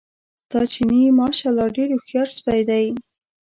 ستا چیني ماشاءالله ډېر هوښیار سپی دی.